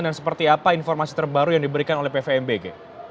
dan seperti apa informasi terbaru yang diberikan oleh pvmbg